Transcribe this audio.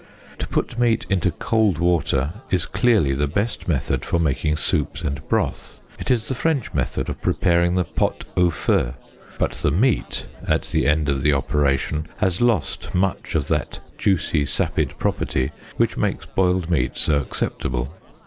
To put meat into cold water is clearly the best method for making soups and broth ; it is the French method of preparing the pot au feu; but the meat at the end of the operation has lost much of that juicy sapid property which makes boiled meat so acceptable.